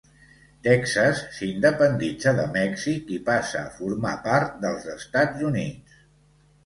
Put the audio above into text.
Texas s'independitza de Mèxic i passa a formar part dels Estats Units.